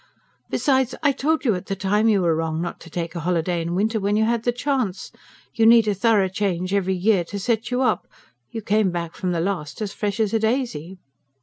"Besides I told you at the time you were wrong not to take a holiday in winter, when you had the chance. You need a thorough change every year to set you up. You came back from the last as fresh as a daisy."